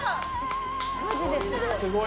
マジですごい。